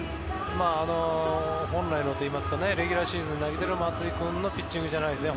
本来のといいますかレギュラーシーズンで投げている松井君のピッチングじゃないですね。